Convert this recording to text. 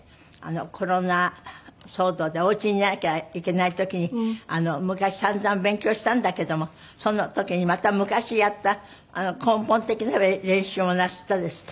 コロナ騒動でお家にいなきゃいけない時に昔散々勉強したんだけどもその時にまた昔やった根本的な練習もなすったんですって？